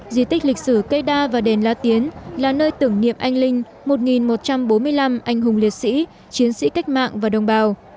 di tích lịch sử cây đa và đền la tiến là nơi tưởng niệm anh linh một một trăm bốn mươi năm anh hùng liệt sĩ chiến sĩ cách mạng và đồng bào